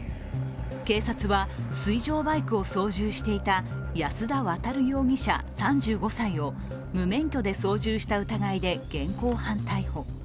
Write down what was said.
警察は、水上バイクを操縦していた安田亘容疑者３５歳を無免許で操縦した疑いで現行犯逮捕。